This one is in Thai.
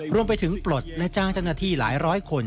รวมไปถึงปลดและจ้างจังหน้าที่หลายร้อยคน